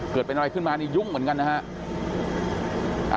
เกิดเป็นอะไรขึ้นมานี่ยุ่งเหมือนกันนะฮะ